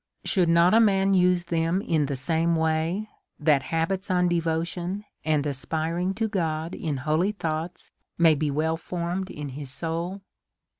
Should not a man use them in the same way, that habits of devotion, and aspiring" to God in holy thoughts^ may be well formed in his^ soul